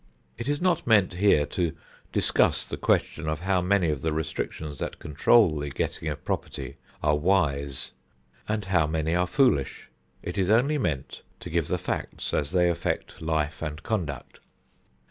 It is not meant here to discuss the question of how many of the restrictions that control the getting of property are wise and how many are foolish; it is only meant to give the facts as they affect life and conduct.